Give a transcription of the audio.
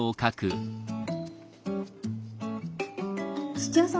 土屋さん